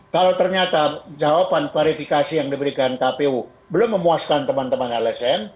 kalau ternyata jawaban klarifikasi yang diberikan kpu belum memuaskan teman teman lsm